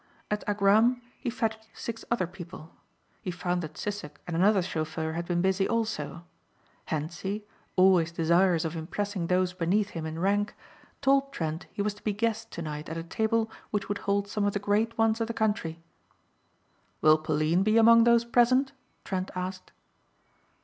At Agram he fetched six other people. He found that Sissek and another chauffeur had been busy also. Hentzi, always desirous of impressing those beneath him in rank, told Trent he was to be guest tonight at a table which would hold some of the great ones of the country. "Will Pauline be among those present?" Trent asked.